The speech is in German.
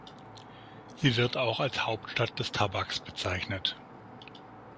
Sie wird auch als "Hauptstadt des Tabaks" bezeichnet.